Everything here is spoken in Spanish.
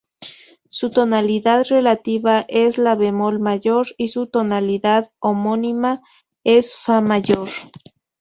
Su tonalidad relativa es la bemol mayor, y su tonalidad homónima es fa mayor.